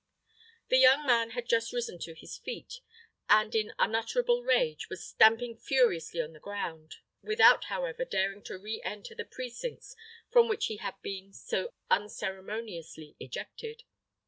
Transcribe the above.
The young man had just risen on his feet, and in unutterable rage, was stamping furiously on the ground; without, however, daring to re enter the precincts from which he had been so unceremoniously ejected.